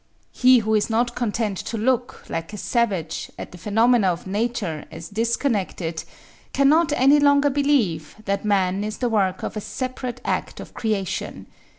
He who is not content to look, like a savage, at the phenomena of nature as disconnected, cannot any longer believe that man is the work of a separate act of creation.